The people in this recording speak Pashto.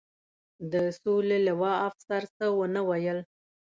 د سولې لوا، افسر څه و نه ویل.